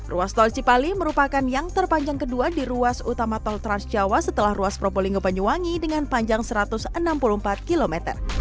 ruas tol cipali merupakan yang terpanjang kedua di ruas utama tol transjawa setelah ruas propolinggo penyuwangi dengan panjang satu ratus enam puluh empat km